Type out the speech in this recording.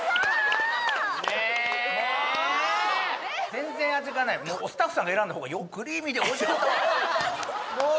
全然味がないスタッフさんの選んだ方がクリーミーでおいしかったわもう！